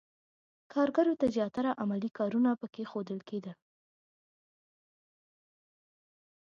کارګرو ته زیاتره عملي کارونه پکې ښودل کېدل.